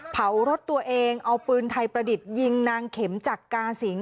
เผารถตัวเองเอาปืนไทยประดิษฐ์ยิงนางเข็มจักราสิง